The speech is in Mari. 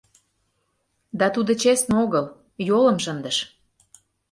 — Да тудо честно огыл: йолым шындыш.